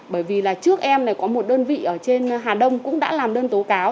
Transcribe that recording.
bởi vì là trước em này có một đơn vị ở trên hà đông cũng đã làm đơn tố cáo